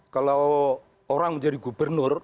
kalau orang menjadi gubernur